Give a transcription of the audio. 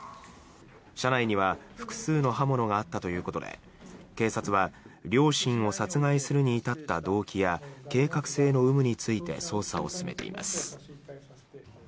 車内には複数の刃物があったということで警察は両親を殺害するに至った動機や計画性の有無について捜査を進めています。